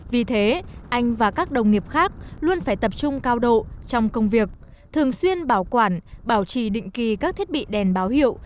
vì thế anh và các đồng nghiệp khác luôn phải tập trung cao độ trong công việc thường xuyên bảo quản bảo trì định kỳ các thiết bị đèn báo hiệu